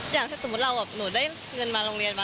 อย่างถ้าสมมุติเราแบบหนูได้เงินมาโรงเรียนมา